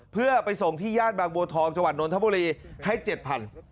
เพื่อไปส่งที่ย่านบางบัวทองจังหวัดนทบุรีให้๗๐๐บาท